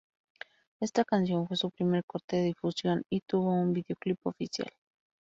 Esta canción fue su primer corte de difusión y tuvo un videoclip oficial.